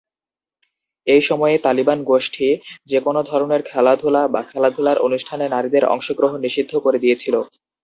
এই সময়ে, তালিবান গোষ্ঠী যেকোন ধরনের খেলাধুলা বা খেলাধুলার অনুষ্ঠানে নারীদের অংশগ্রহণ নিষিদ্ধ করে দিয়েছিল।